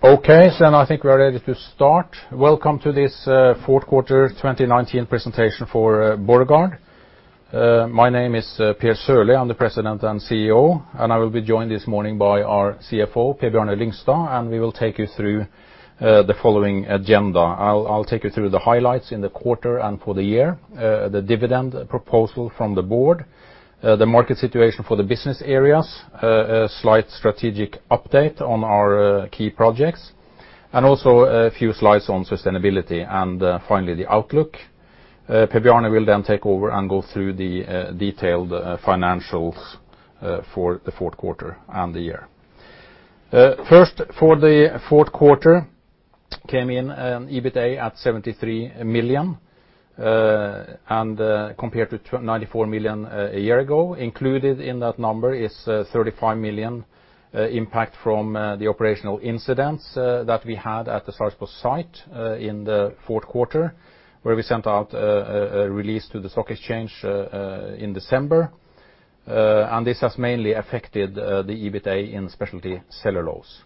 I think we are ready to start. Welcome to this fourth quarter 2019 presentation for Borregaard. My name is Per Sørlie. I'm the President and CEO, and I will be joined this morning by our CFO, Per Bjarne Lyngstad, and we will take you through the following agenda. I'll take you through the highlights in the quarter and for the year, the dividend proposal from the board, the market situation for the business areas, a slight strategic update on our key projects, and also a few slides on sustainability and finally, the outlook. Per Bjarne will then take over and go through the detailed financials for the fourth quarter and the year. First, for the fourth quarter, came in an EBITA at 73 million, and compared to 94 million a year ago. Included in that number is 35 million impact from the operational incidents that we had at the Sarpsborg site in the fourth quarter, where we sent out a release to the stock exchange in December. This has mainly affected the EBITA in specialty cellulose.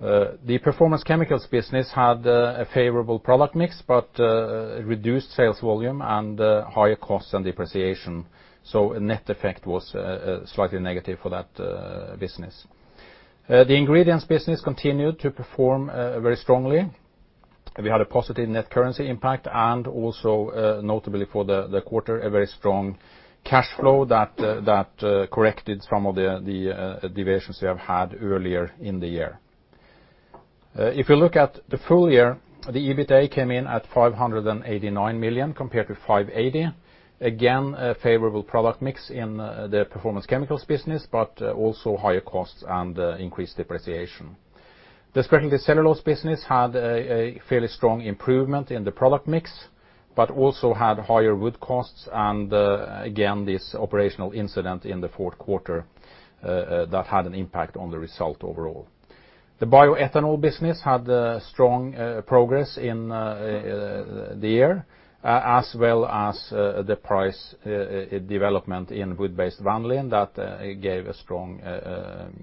The performance chemicals business had a favorable product mix, but reduced sales volume and higher costs and depreciation. Net effect was slightly negative for that business. The ingredients business continued to perform very strongly. We had a positive net currency impact and also notably for the quarter, a very strong cash flow that corrected some of the deviations we have had earlier in the year. If you look at the full year, the EBITA came in at 589 million compared to 580 million. Again, a favorable product mix in the performance chemicals business, but also higher costs and increased depreciation. The speciality cellulose business had a fairly strong improvement in the product mix, but also had higher wood costs and again, this operational incident in the fourth quarter that had an impact on the result overall. The bioethanol business had strong progress in the year, as well as the price development in wood-based vanillin that gave a strong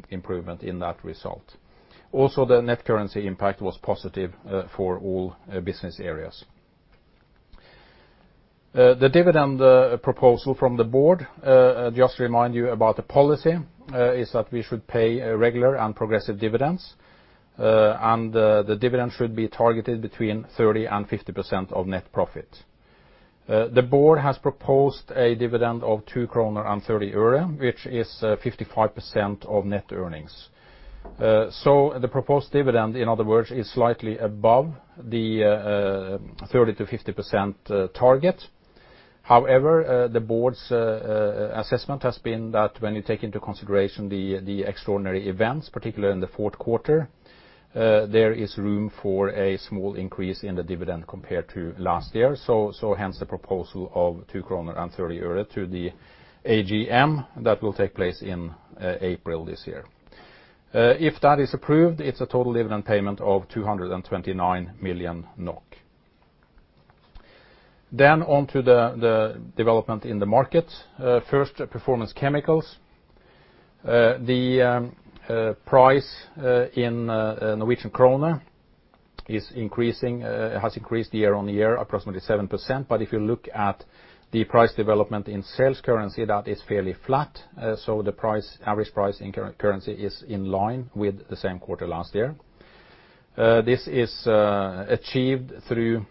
improvement in that result. The net currency impact was positive for all business areas. The dividend proposal from the board, just to remind you about the policy, is that we should pay regular and progressive dividends. The dividend should be targeted between 30%-50% of net profit. The board has proposed a dividend of NOK 2.30, which is 55% of net earnings. The proposed dividend, in other words, is slightly above the 30%-50% target. The board's assessment has been that when you take into consideration the extraordinary events, particularly in the fourth quarter, there is room for a small increase in the dividend compared to last year. Hence the proposal of 2.30 kroner to the AGM that will take place in April this year. If that is approved, it's a total dividend payment of 229 million NOK. On to the development in the market. First, performance chemicals. The price Norwegian krone has increased year-on-year, approximately 7%, but if you look at the price development in sales currency, that is fairly flat. The average price in current currency is in line with the same quarter last year. This is achieved through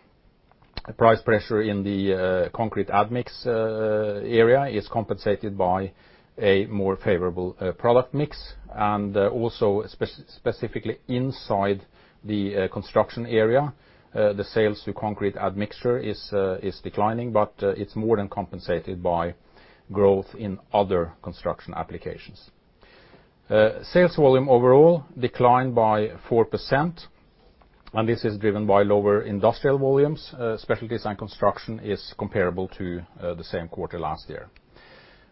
price pressure in the concrete admix area, is compensated by a more favorable product mix, and also specifically inside the construction area. The sales to concrete admixture is declining, but it's more than compensated by growth in other construction applications. Sales volume overall declined by 4%, and this is driven by lower industrial volumes. specialties and construction is comparable to the same quarter last year.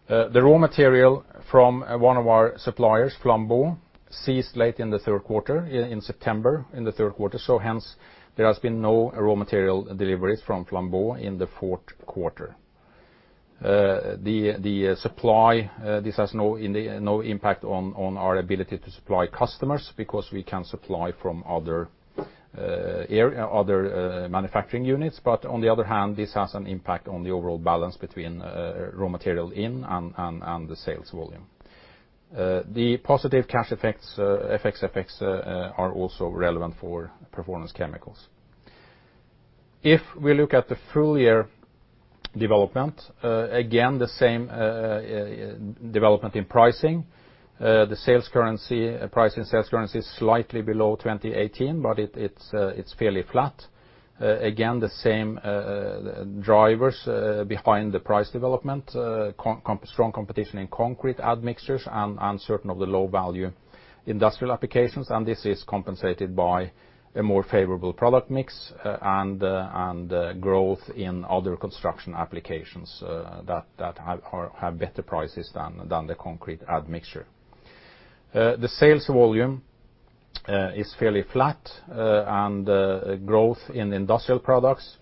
The raw material from one of our suppliers, Flambeau, ceased late in the third quarter in September in the third quarter, so hence there has been no raw material deliveries from Flambeau in the fourth quarter. This has no impact on our ability to supply customers because we can supply from other manufacturing units. On the other hand, this has an impact on the overall balance between raw material in and the sales volume. The positive cash effects are also relevant for performance chemicals. If we look at the full-year development, again, the same development in pricing. The price in sales currency is slightly below 2018, but it's fairly flat. Again, the same drivers behind the price development, strong competition in concrete admixtures and certain of the low-value industrial applications, and this is compensated by a more favorable product mix and growth in other construction applications that have better prices than the concrete admixture. The sales volume is fairly flat and growth in industrial products,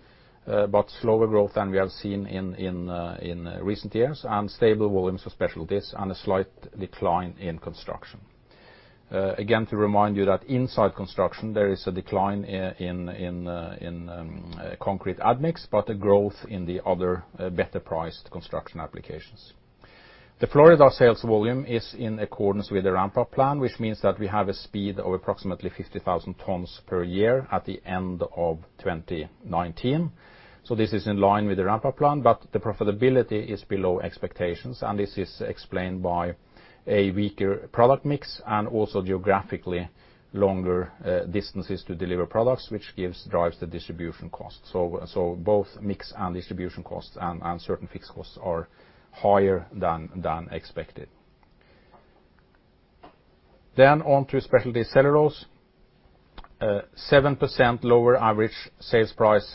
but slower growth than we have seen in recent years, and stable volumes for specialties and a slight decline in construction. Again, to remind you that inside construction, there is a decline in concrete admix, but a growth in the other better priced construction applications. The Florida sales volume is in accordance with the ramp-up plan, which means that we have a speed of approximately 50,000 tons per year at the end of 2019. This is in line with the ramp-up plan, but the profitability is below expectations, and this is explained by a weaker product mix and also geographically longer distances to deliver products, which drives the distribution cost. Both mix and distribution costs and uncertain fixed costs are higher than expected. On to speciality cellulose. 7% lower average sales price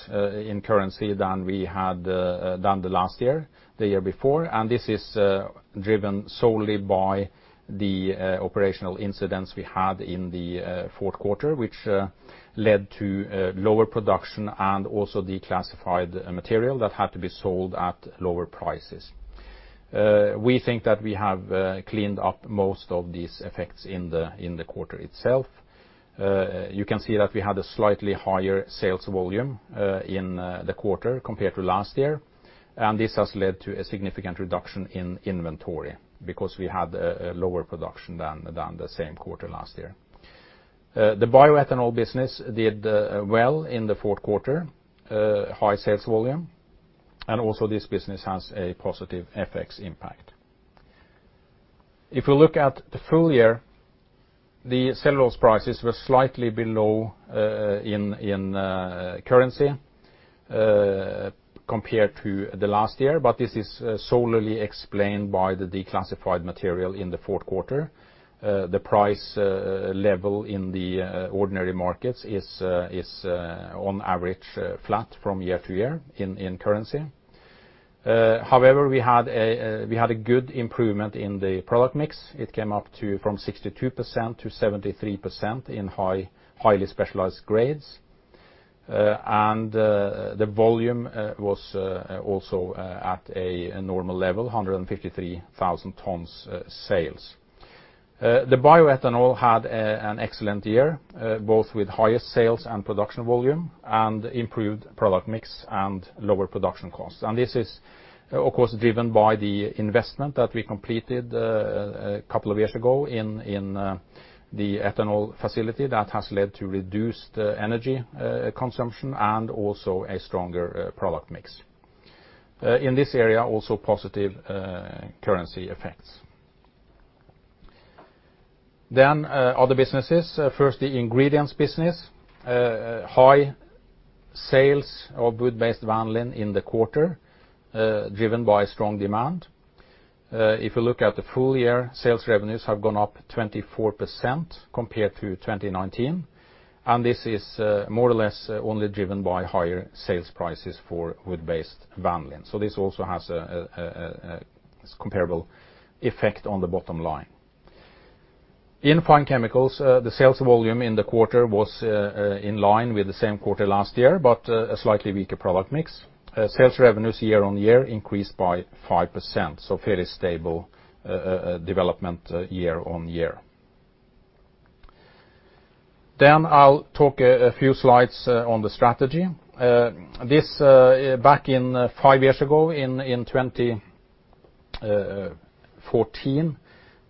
in currency than we had done the last year, the year before. This is driven solely by the operational incidents we had in the fourth quarter, which led to lower production and also declassified material that had to be sold at lower prices. We think that we have cleaned up most of these effects in the quarter itself. You can see that we had a slightly higher sales volume in the quarter compared to last year, and this has led to a significant reduction in inventory because we had a lower production than the same quarter last year. The bioethanol business did well in the fourth quarter, high sales volume, and also this business has a positive FX impact. If you look at the full year, the cellulose prices were slightly below in currency compared to the last year, but this is solely explained by the declassified material in the fourth quarter. The price level in the ordinary markets is on average flat from year to year in currency. However, we had a good improvement in the product mix. It came up from 62% to 73% in highly specialized grades. The volume was also at a normal level, 153,000 tons sales. The bioethanol had an excellent year, both with higher sales and production volume and improved product mix and lower production costs. This is, of course, driven by the investment that we completed a couple of years ago in the ethanol facility that has led to reduced energy consumption and also a stronger product mix. In this area, also positive currency effects. Other businesses. First, the ingredients business. High sales of wood-based vanillin in the quarter, driven by strong demand. If you look at the full year, sales revenues have gone up 24% compared to 2019, and this is more or less only driven by higher sales prices for wood-based vanillin. This also has a comparable effect on the bottom line. In fine chemicals, the sales volume in the quarter was in line with the same quarter last year, but a slightly weaker product mix. Sales revenues year-over-year increased by 5%, so fairly stable development year-over-year. I'll talk a few slides on the strategy. This back in five years ago, in 2014,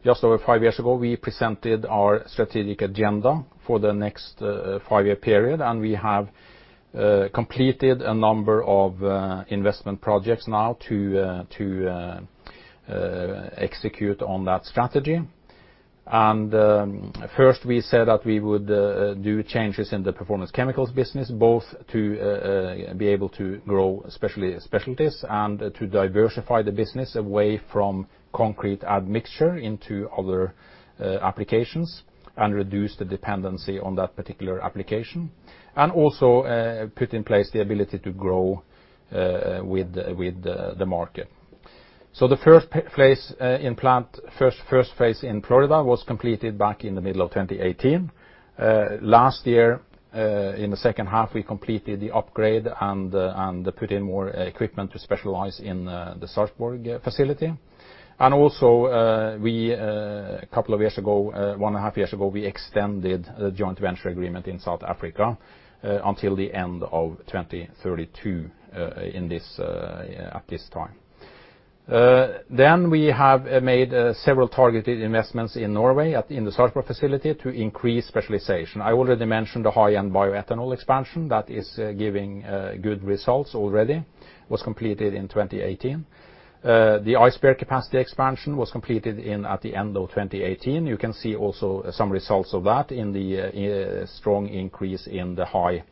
just over five years ago, we presented our strategic agenda for the next five-year period, and we have completed a number of investment projects now to execute on that strategy. First, we said that we would do changes in the performance chemicals business, both to be able to grow especially specialties and to diversify the business away from concrete admixture into other applications and reduce the dependency on that particular application, and also put in place the ability to grow with the market. The first phase in plant, first phase in Florida was completed back in the middle of 2018. Last year, in the second half, we completed the upgrade and put in more equipment to specialize in the Sarpsborg facility. Also, a couple of years ago, 1.5 years ago, we extended the joint venture agreement in South Africa until the end of 2032 at this time. We have made several targeted investments in Norway in the Sarpsborg facility to increase specialization. I already mentioned the high-end bioethanol expansion that is giving good results already, was completed in 2018. The Ice Bear capacity expansion was completed at the end of 2018. You can see also some results of that in the strong increase in the high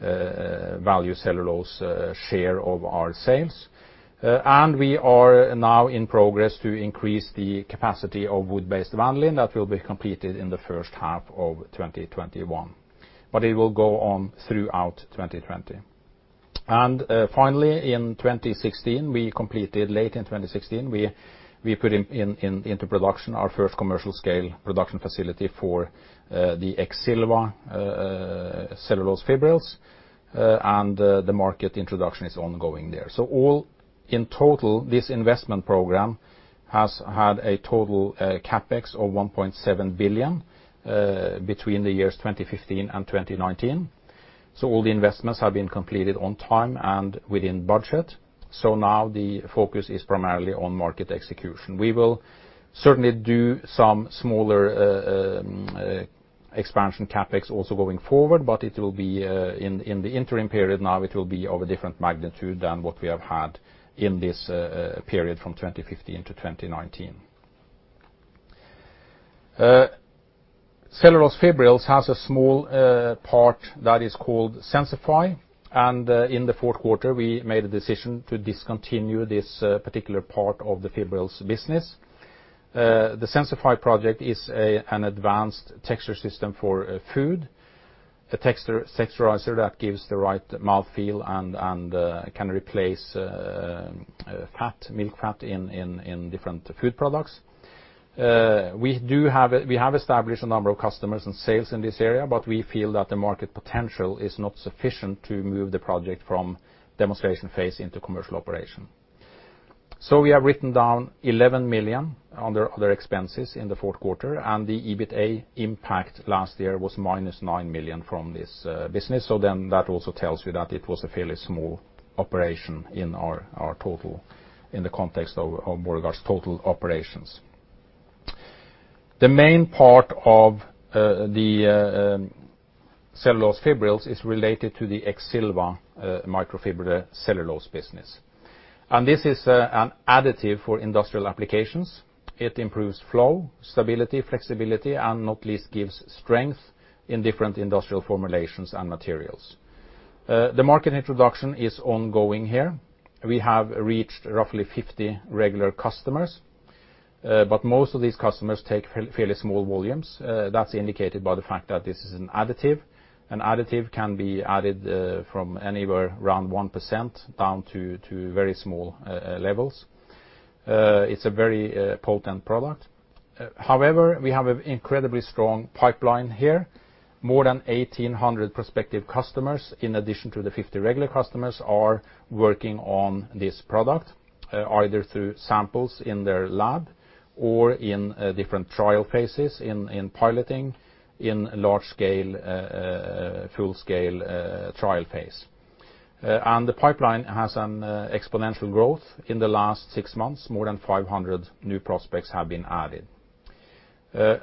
value cellulose share of our sales. We are now in progress to increase the capacity of wood-based vanillin that will be completed in the first half of 2021, but it will go on throughout 2020. Finally, in 2016, we completed, late in 2016, we put into production our first commercial scale production facility for The Exilva Cellulose Fibrils, and the market introduction is ongoing there. All in total, this investment program has had a total CapEx of 1.7 billion between the years 2015 and 2019. All the investments have been completed on time and within budget. Now the focus is primarily on market execution. We will certainly do some smaller expansion CapEx also going forward, but in the interim period now, it will be of a different magnitude than what we have had in this period from 2015-2019. Cellulose Fibrils has a small part that is called SenseFi, and in the fourth quarter we made a decision to discontinue this particular part of the Fibrils business. The SenseFi project is an advanced texture system for food, a texturizer that gives the right mouthfeel and can replace fat, milk fat in different food products. We have established a number of customers and sales in this area, but we feel that the market potential is not sufficient to move the project from demonstration phase into commercial operation. We have written down 11 million under other expenses in the fourth quarter, and the EBITA impact last year was minus 9 million from this business. That also tells you that it was a fairly small operation in the context of Borregaard's total operations. The main part of the Cellulose Fibrils is related to the Exilva microfibrillated cellulose business. This is an additive for industrial applications. It improves flow, stability, flexibility, and not least gives strength in different industrial formulations and materials. The market introduction is ongoing here. We have reached roughly 50 regular customers, but most of these customers take fairly small volumes. That's indicated by the fact that this is an additive. An additive can be added from anywhere around 1% down to very small levels. It's a very potent product. However, we have an incredibly strong pipeline here. More than 1,800 prospective customers, in addition to the 50 regular customers, are working on this product, either through samples in their lab or in different trial phases in piloting, in large scale, full scale trial phase. The pipeline has an exponential growth. In the last six months, more than 500 new prospects have been added.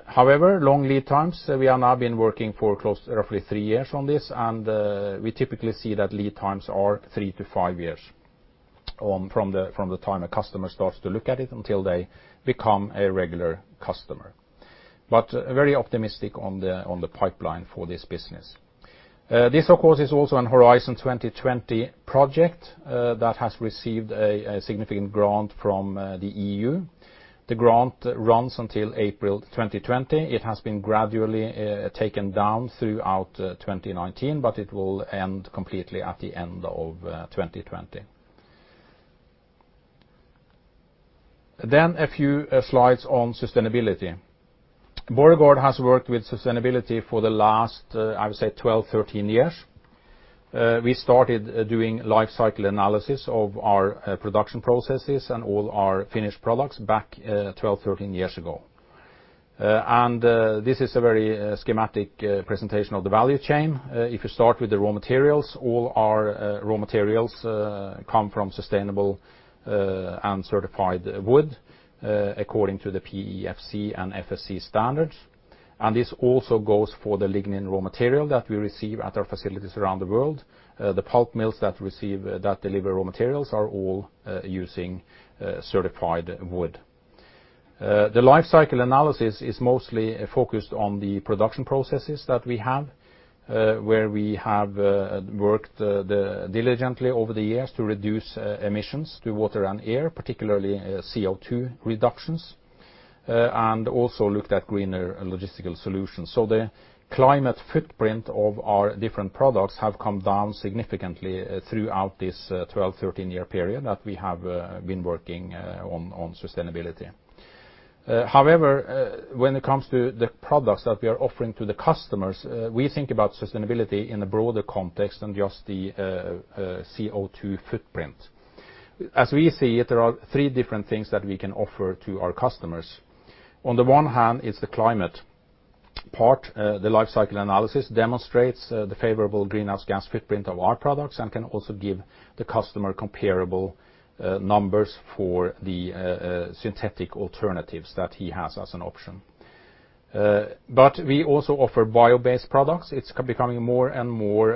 However, long lead times. We have now been working for close to roughly three years on this. We typically see that lead times are three to five years from the time a customer starts to look at it until they become a regular customer. Very optimistic on the pipeline for this business. This, of course, is also on Horizon 2020 project that has received a significant grant from the EU. The grant runs until April 2020. It has been gradually taken down throughout 2019. It will end completely at the end of 2020. A few slides on sustainability. Borregaard has worked with sustainability for the last, I would say, 12, 13 years. We started doing life cycle analysis of our production processes and all our finished products back 12, 13 years ago. This is a very schematic presentation of the value chain. If you start with the raw materials, all our raw materials come from sustainable and certified wood, according to the PEFC and FSC standards. This also goes for the lignin raw material that we receive at our facilities around the world. The pulp mills that deliver raw materials are all using certified wood. The life cycle analysis is mostly focused on the production processes that we have, where we have worked diligently over the years to reduce emissions to water and air, particularly CO2 reductions, and also looked at greener logistical solutions. The climate footprint of our different products have come down significantly throughout this 12, 13 year period that we have been working on sustainability. However, when it comes to the products that we are offering to the customers, we think about sustainability in a broader context than just the CO2 footprint. As we see it, there are three different things that we can offer to our customers. On the one hand, it's the climate part. The life cycle analysis demonstrates the favorable greenhouse gas footprint of our products and can also give the customer comparable numbers for the synthetic alternatives that he has as an option. We also offer bio-based products. It's becoming more and more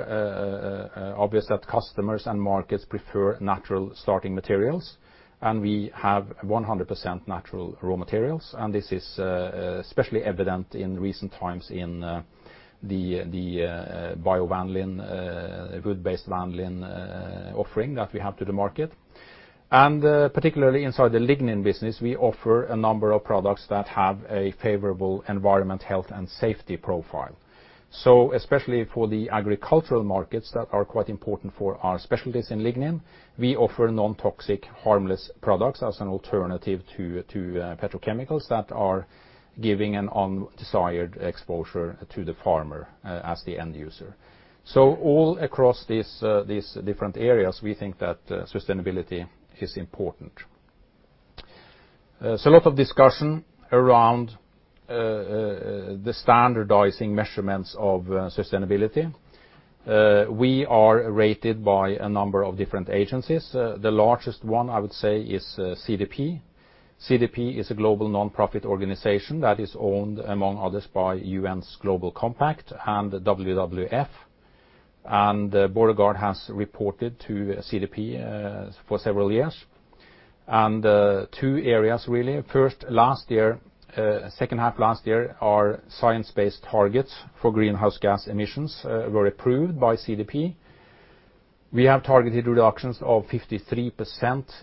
obvious that customers and markets prefer natural starting materials, and we have 100% natural raw materials, and this is especially evident in recent times in the biovanillin, wood-based vanillin offering that we have to the market. Particularly inside the lignin business, we offer a number of products that have a favorable environment, health, and safety profile. Especially for the agricultural markets that are quite important for our specialties in lignin, we offer non-toxic, harmless products as an alternative to petrochemicals that are giving an undesired exposure to the farmer as the end user. All across these different areas, we think that sustainability is important. There's a lot of discussion around the standardizing measurements of sustainability. We are rated by a number of different agencies. The largest one, I would say, is CDP. CDP is a global nonprofit organization that is owned, among others, by UN's Global Compact and WWF. Borregaard has reported to CDP for several years. Two areas, really. First, second half last year, our science-based targets for greenhouse gas emissions were approved by CDP. We have targeted reductions of 53%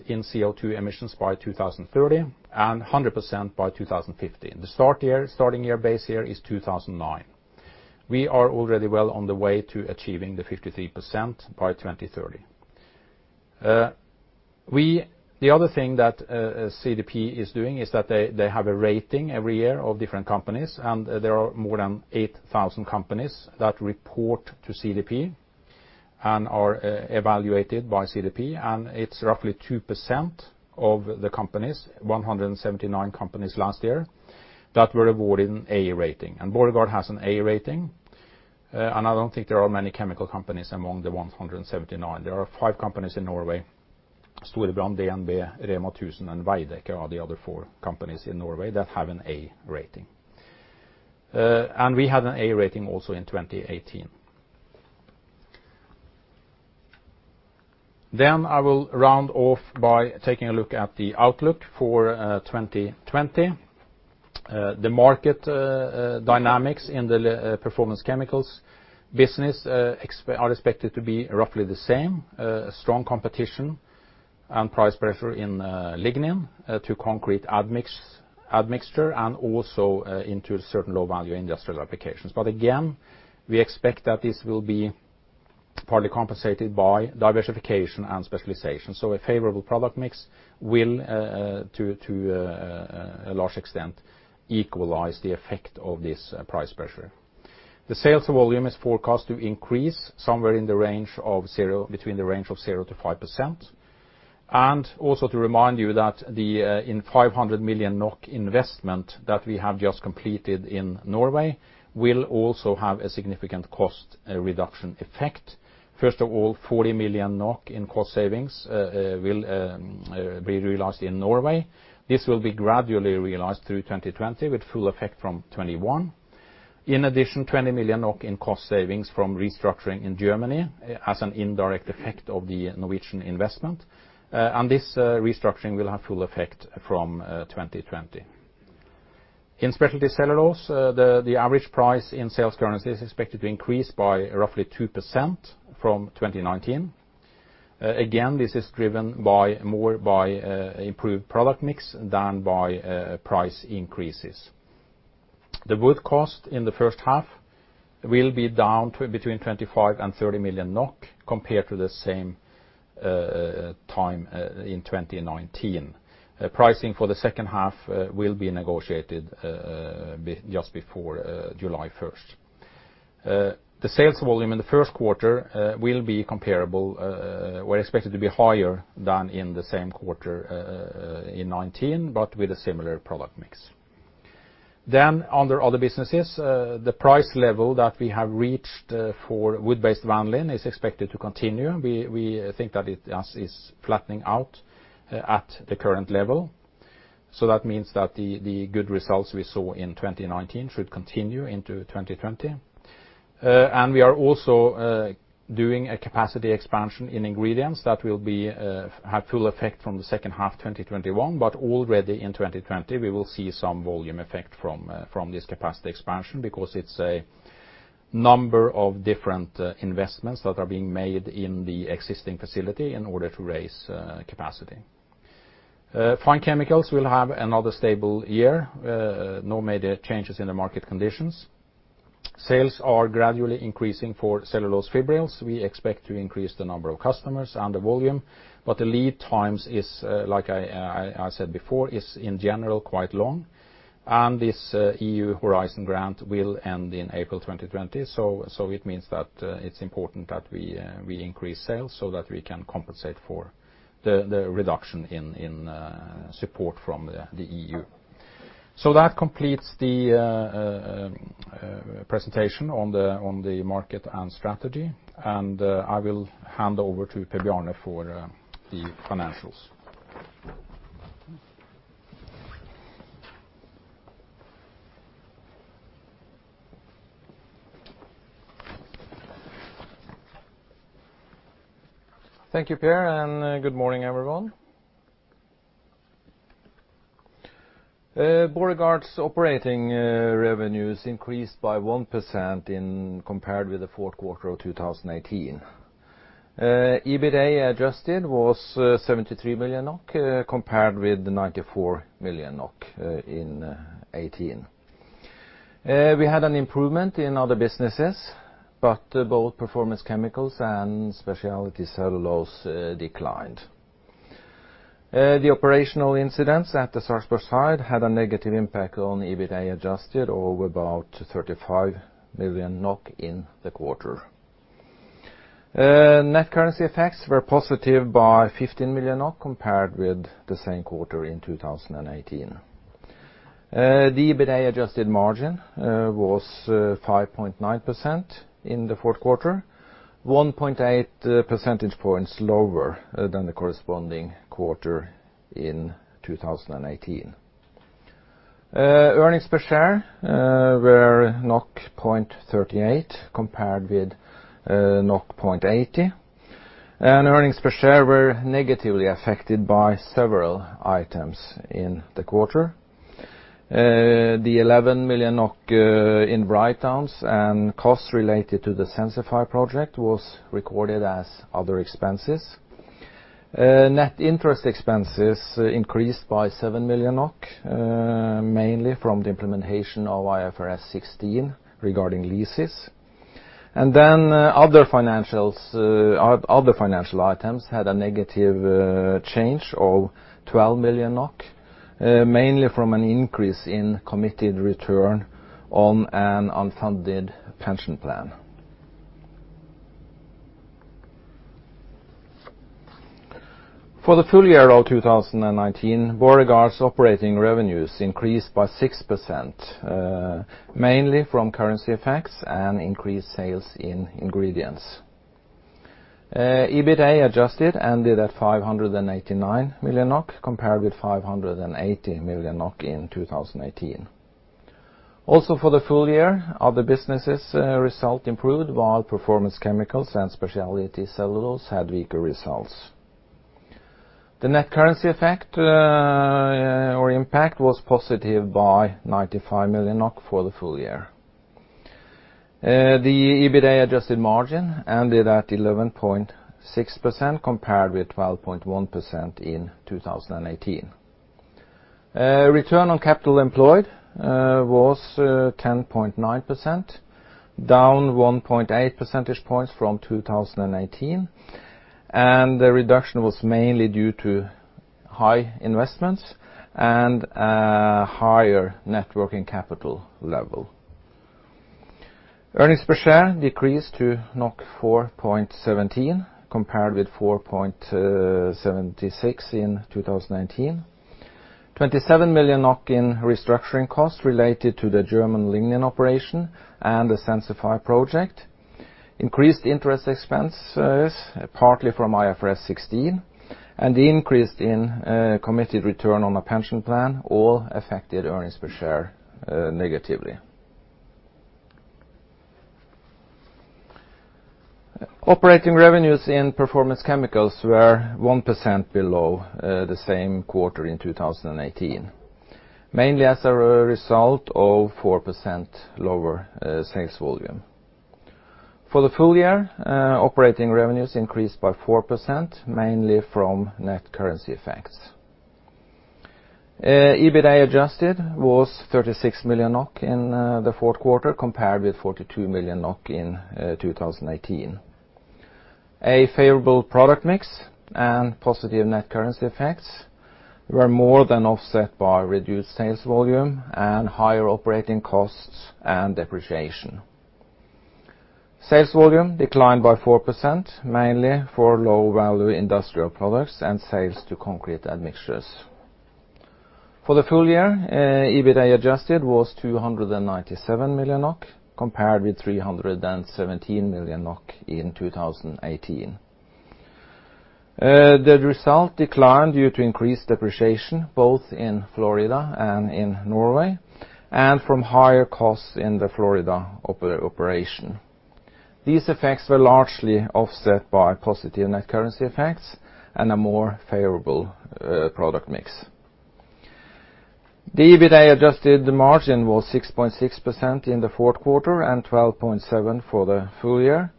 in CO2 emissions by 2030 and 100% by 2050. The starting base year is 2009. We are already well on the way to achieving the 53% by 2030. Other thing that CDP is doing is that they have a rating every year of different companies, there are more than 8,000 companies that report to CDP and are evaluated by CDP. It's roughly 2% of the companies, 179 companies last year, that were awarded an A rating. Borregaard has an A rating, I don't think there are many chemical companies among the 179. There are five companies in Norway, Storebrand, DNB, Reinertsen, and Veidekke are the other four companies in Norway that have an A rating. We had an A rating also in 2018. I will round off by taking a look at the outlook for 2020. The market dynamics in the performance chemicals business are expected to be roughly the same. Strong competition and price pressure in lignin to concrete admixture, and also into certain low-value industrial applications. Again, we expect that this will be partly compensated by diversification and specialization. A favorable product mix will, to a large extent, equalize the effect of this price pressure. The sales volume is forecast to increase somewhere between the range of 0%-5%. Also to remind you that in 500 million NOK investment that we have just completed in Norway will also have a significant cost reduction effect. First of all, 40 million NOK in cost savings will be realized in Norway. This will be gradually realized through 2020 with full effect from 2021. In addition, 20 million in cost savings from restructuring in Germany as an indirect effect of the Norwegian investment. This restructuring will have full effect from 2020. In speciality cellulose, the average price in sales currency is expected to increase by roughly 2% from 2019. This is driven more by improved product mix than by price increases. The wood cost in the first half will be down between 25 million and 30 million NOK compared to the same time in 2019. Pricing for the second half will be negotiated just before July 1st. The sales volume in the first quarter will be comparable, we are expected to be higher than in the same quarter in 2019, but with a similar product mix. Under other businesses, the price level that we have reached for wood-based vanillin is expected to continue. We think that it is flattening out at the current level. That means that the good results we saw in 2019 should continue into 2020. We are also doing a capacity expansion in ingredients that will have full effect from the second half 2021, but already in 2020 we will see some volume effect from this capacity expansion because it's a number of different investments that are being made in the existing facility in order to raise capacity. Fine Chemicals will have another stable year. No major changes in the market conditions. Sales are gradually increasing for Cellulose Fibrils. We expect to increase the number of customers and the volume, but the lead times, like I said before, is in general quite long, and this EU Horizon grant will end in April 2020. It means that it's important that we increase sales so that we can compensate for the reduction in support from the EU. That completes the presentation on the market and strategy, and I will hand over to Per-Bjarne for the financials. Thank you, Per, and good morning, everyone. Borregaard's operating revenues increased by 1% compared with the fourth quarter of 2018. EBITDA adjusted was 73 million NOK, compared with 94 million NOK in 2018. We had an improvement in other businesses, but both performance chemicals and specialty cellulose declined. The operational incidents at the Sarpsborg site had a negative impact on EBITDA adjusted of about 35 million NOK in the quarter. Net currency effects were positive by 15 million compared with the same quarter in 2018. The EBITDA adjusted margin was 5.9% in the fourth quarter, 1.8 percentage points lower than the corresponding quarter in 2018. Earnings per share were 0.38 compared with 0.80. Earnings per share were negatively affected by several items in the quarter. The 11 million NOK in write-downs and costs related to the SenseFi project was recorded as other expenses. Net interest expenses increased by 7 million NOK, mainly from the implementation of IFRS 16 regarding leases. Other financial items had a negative change of 12 million NOK, mainly from an increase in committed return on an unfunded pension plan. For the full year of 2019, Borregaard's operating revenues increased by 6%, mainly from currency effects and increased sales in ingredients. EBITDA adjusted ended at 589 million NOK, compared with 580 million NOK in 2018. Also for the full year, other businesses result improved while performance chemicals and specialty cellulose had weaker results. The net currency effect or impact was positive by 95 million NOK for the full year. The EBITDA adjusted margin ended at 11.6%, compared with 12.1% in 2018. Return on capital employed was 10.9%, down 1.8 percentage points from 2018, and the reduction was mainly due to high investments and a higher net working capital level. Earnings per share decreased to 4.17 compared with 4.76 in 2019. 27 million NOK in restructuring costs related to the German lignin operation and the SenseFi project increased interest expenses, partly from IFRS 16, and the increase in committed return on a pension plan all affected earnings per share negatively. Operating revenues in performance chemicals were 1% below the same quarter in 2018, mainly as a result of 4% lower sales volume. For the full year, operating revenues increased by 4%, mainly from net currency effects. EBITDA adjusted was 36 million NOK in the fourth quarter, compared with 42 million NOK in 2018. A favorable product mix and positive net currency effects were more than offset by reduced sales volume and higher operating costs and depreciation. Sales volume declined by 4%, mainly for low-value industrial products and sales to concrete admixtures. For the full year, EBITDA adjusted was 297 million NOK, compared with 317 million NOK in 2018. The result declined due to increased depreciation, both in Florida and in Norway, and from higher costs in the Florida operation. These effects were largely offset by positive net currency effects and a more favorable product mix. The EBITDA adjusted margin was 6.6% in the fourth quarter and 12.7% for the full year,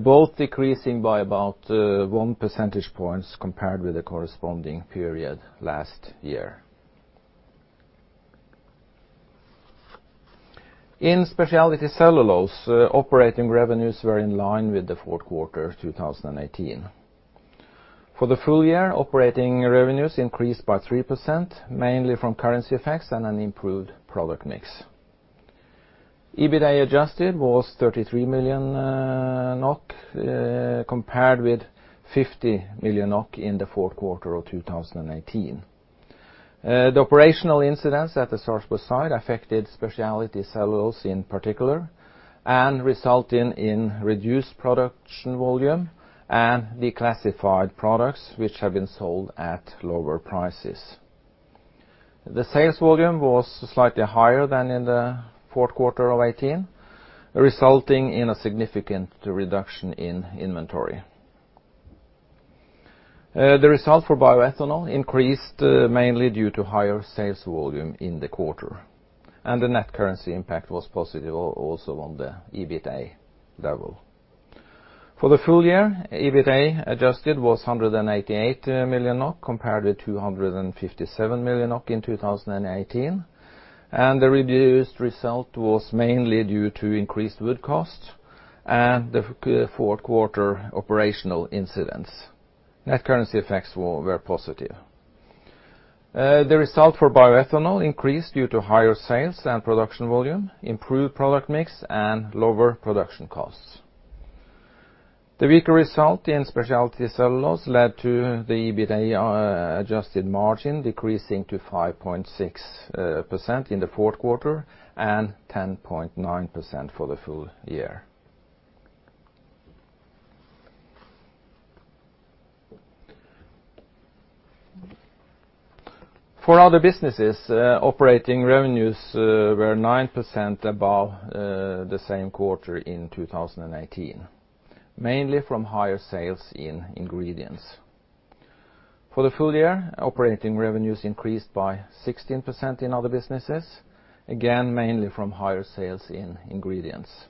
both decreasing by about 1 percentage points compared with the corresponding period last year. In specialty cellulose, operating revenues were in line with the fourth quarter 2018. For the full year, operating revenues increased by 3%, mainly from currency effects and an improved product mix. EBITDA adjusted was 33 million NOK, compared with 50 million NOK in the fourth quarter of 2018. The operational incidents at the Sarpsborg site affected Specialty Cellulose in particular and resulting in reduced production volume and declassified products, which have been sold at lower prices. The sales volume was slightly higher than in the fourth quarter of 2018, resulting in a significant reduction in inventory. The result for bioethanol increased mainly due to higher sales volume in the quarter, and the net currency impact was positive also on the EBITA level. For the full year, EBITA adjusted was 188 million NOK, compared with 257 million NOK in 2018, the reduced result was mainly due to increased wood costs and the poor fourth quarter operational incidents. Net currency effects were very positive. The result for bioethanol increased due to higher sales and production volume, improved product mix, and lower production costs. The weaker result in speciality cellulose led to the EBITA-adjusted margin decreasing to 5.6% in the fourth quarter and 10.9% for the full year. For other businesses, operating revenues were 9% above the same quarter in 2018, mainly from higher sales in ingredients. For the full year, operating revenues increased by 16% in other businesses, again, mainly from higher sales in ingredients.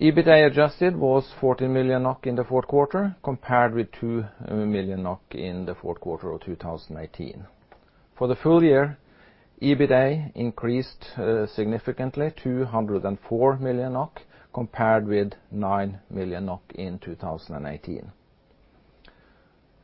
EBITA adjusted was 40 million NOK in the fourth quarter, compared with 2 million NOK in the fourth quarter of 2018. For the full year, EBITA increased significantly to 104 million NOK, compared with 9 million NOK in 2018.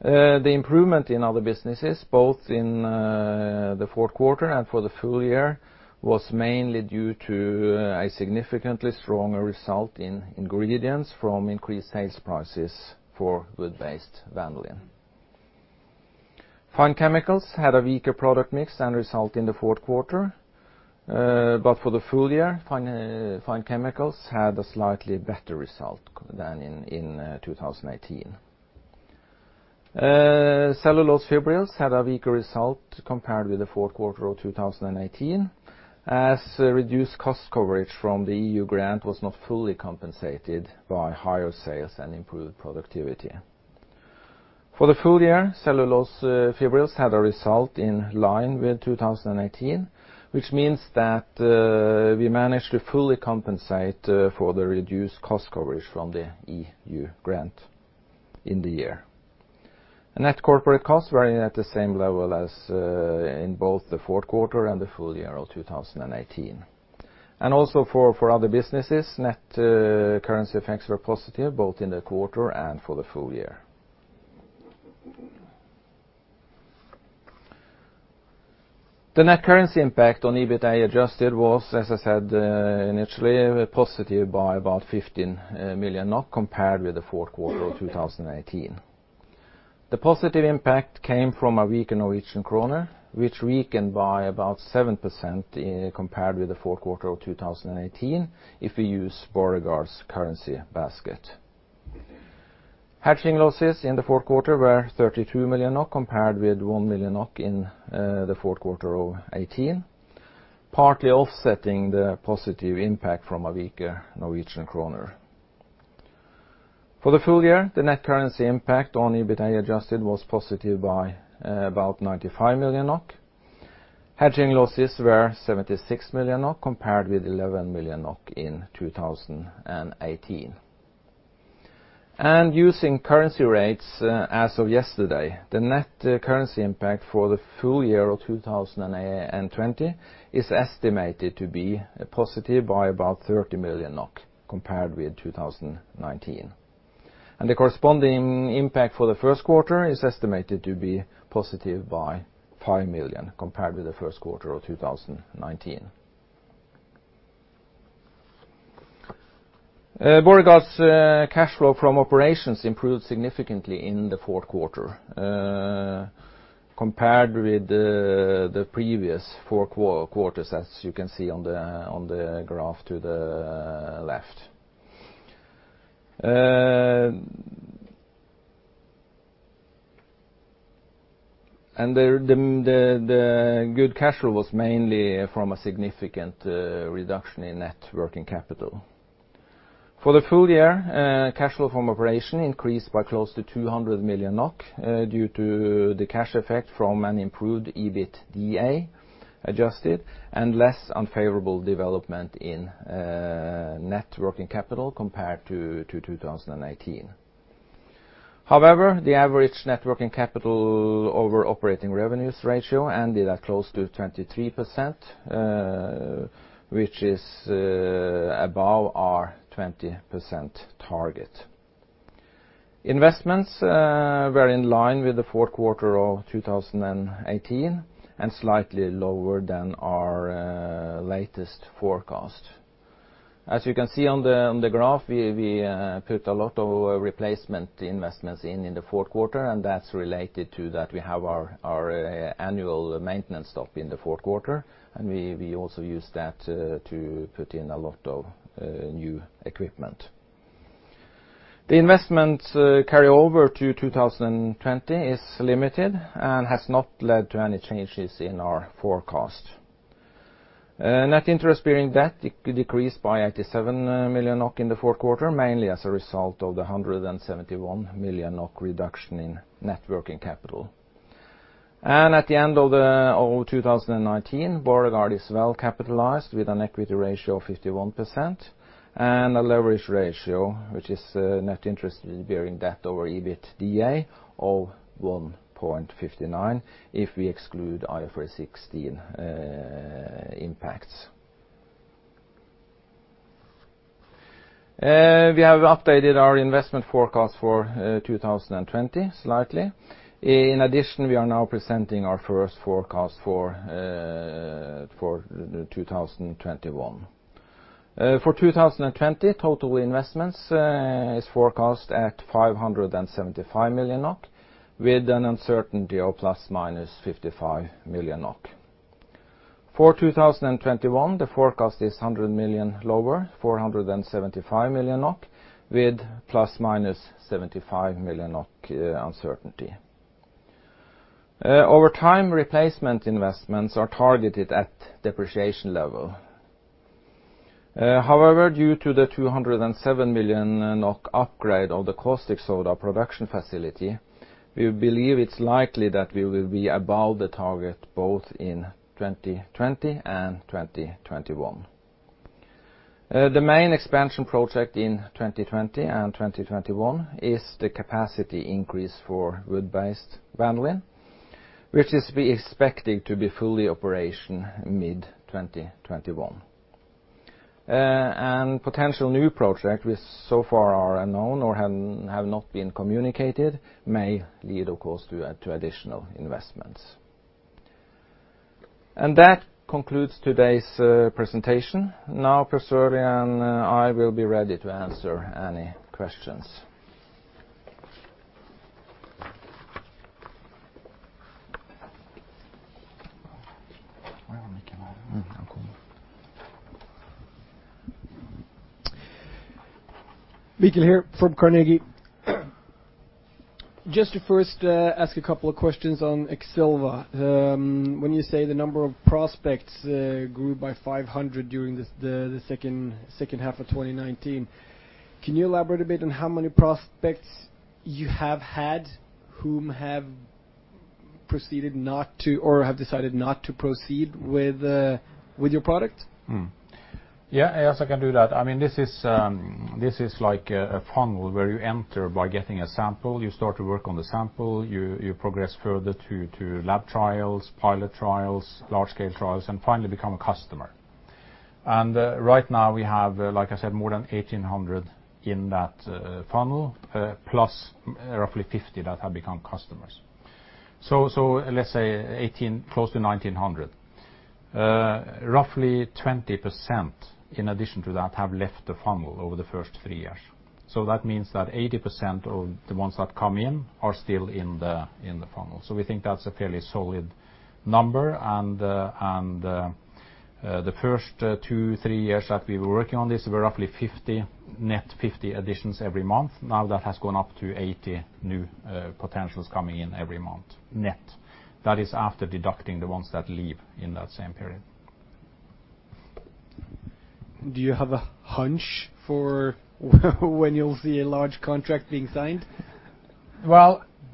The improvement in other businesses, both in the fourth quarter and for the full year, was mainly due to a significantly stronger result in ingredients from increased sales prices for wood-based vanillin. Fine Chemicals had a weaker product mix and result in the fourth quarter. For the full year, Fine Chemicals had a slightly better result than in 2018. Cellulose fibrils had a weaker result compared with the fourth quarter of 2018, as reduced cost coverage from the EU grant was not fully compensated by higher sales and improved productivity. For the full year, cellulose fibrils had a result in line with 2018, which means that we managed to fully compensate for the reduced cost coverage from the EU grant in the year. Net corporate costs were at the same level as in both the fourth quarter and the full year of 2018. Also for other businesses, net currency effects were positive both in the quarter and for the full year. The net currency impact on EBITA adjusted was, as I said initially, positive by about 15 million compared with the fourth quarter of 2018. The positive impact came from a weaker Norwegian krone, which weakened by about 7% compared with the fourth quarter of 2018, if we use Borregaard's currency basket. Hedging losses in the fourth quarter were 32 million NOK, compared with 1 million NOK in the fourth quarter of 2018, partly offsetting the positive impact from a weaker Norwegian krone. For the full year, the net currency impact on EBITA adjusted was positive by about 95 million NOK. Hedging losses were 76 million NOK, compared with 11 million NOK in 2018. Using currency rates as of yesterday, the net currency impact for the full year of 2020 is estimated to be positive by about 30 million NOK, compared with 2019. The corresponding impact for the first quarter is estimated to be positive by 5 million, compared with the first quarter of 2019. Borregaard's cash flow from operations improved significantly in the fourth quarter compared with the previous four quarters, as you can see on the graph to the left. The good cash flow was mainly from a significant reduction in net working capital. For the full year, cash flow from operation increased by close to 200 million NOK due to the cash effect from an improved EBITDA adjusted and less unfavorable development in net working capital compared to 2019. However, the average net working capital over operating revenues ratio ended at close to 23%, which is above our 20% target. Investments were in line with the fourth quarter of 2018 and slightly lower than our latest forecast. As you can see on the graph, we put a lot of replacement investments in the fourth quarter, and that's related to that we have our annual maintenance stop in the fourth quarter, and we also used that to put in a lot of new equipment. The investments carry over to 2020 is limited and has not led to any changes in our forecast. Net interest-bearing debt decreased by 87 million NOK in the fourth quarter, mainly as a result of the 171 million NOK reduction in net working capital. At the end of 2019, Borregaard is well capitalized with an equity ratio of 51% and a leverage ratio, which is net interest-bearing debt over EBITDA of 1.59% if we exclude IFRS 16 impacts. We have updated our investment forecast for 2020 slightly. In addition, we are now presenting our first forecast for 2021. For 2020, total investments is forecast at 575 million, with an uncertainty of ±55 million. For 2021, the forecast is 100 million lower, 475 million with ±75 million uncertainty. Over time, replacement investments are targeted at depreciation level. However, due to the 207 million NOK upgrade of the caustic soda production facility, we believe it's likely that we will be above the target both in 2020 and 2021. The main expansion project in 2020 and 2021 is the capacity increase for wood-based vanillin, which is expected to be fully in operation mid-2021. Potential new project with so far are unknown or have not been communicated may lead, of course, to additional investments. That concludes today's presentation. Now, Per Sørlie and I will be ready to answer any questions. Mikael here from Carnegie. Just to first ask a couple of questions on Exilva. When you say the number of prospects grew by 500 during the second half of 2019, can you elaborate a bit on how many prospects you have had whom have proceeded not to, or have decided not to proceed with your product? Yes, I also can do that. This is like a funnel where you enter by getting a sample, you start to work on the sample, you progress further to lab trials, pilot trials, large-scale trials, and finally become a customer. Right now we have, like I said, more than 1,800 in that funnel, plus roughly 50 that have become customers. Let's say close to 1,900. Roughly 20%, in addition to that, have left the funnel over the first three years. That means that 80% of the ones that come in are still in the funnel. We think that's a fairly solid number, and the first two, three years that we were working on this were roughly net 50 additions every month. Now that has gone up to 80 new potentials coming in every month net. That is after deducting the ones that leave in that same period. Do you have a hunch for when you'll see a large contract being signed?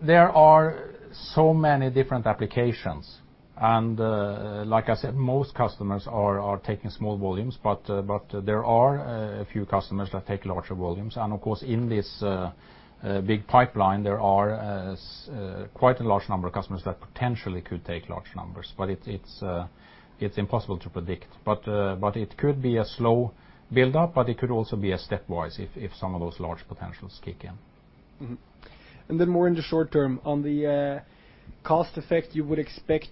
There are so many different applications, and like I said, most customers are taking small volumes, but there are a few customers that take larger volumes. Of course, in this big pipeline, there are quite a large number of customers that potentially could take large numbers, but it's impossible to predict. It could be a slow build-up, but it could also be a stepwise if some of those large potentials kick in. Then more in the short term, on the cost effect you would expect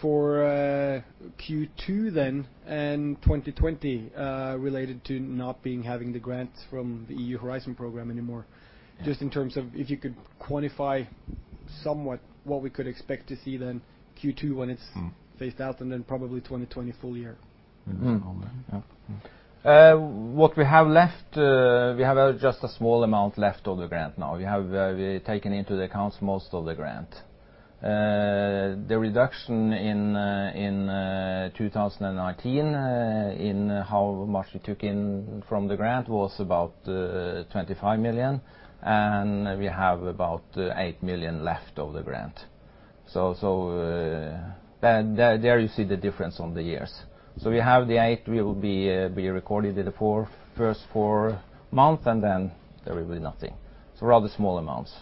for Q2 then and 2020 related to not having the grants from the EU Horizon program anymore. Just in terms of if you could quantify somewhat what we could expect to see then Q2 when it's phased out, and then probably 2020 full year. What we have left, we have just a small amount left of the grant now. We have taken into account most of the grant. The reduction in 2019 in how much we took in from the grant was about 25 million, and we have about 8 million left of the grant. There you see the difference on the years. We have the 8 will be recorded in the first four months, and then there will be nothing. Rather small amounts.